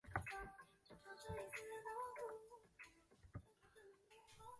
转任中领军。